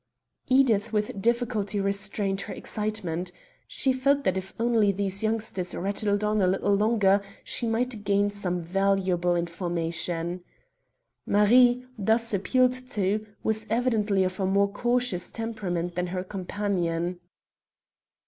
Edith with difficulty restrained her excitement. She felt that if only these youngsters rattled on a little longer she might gain some valuable information. Marie, thus appealed to, was evidently of a more cautious temperament than her companion.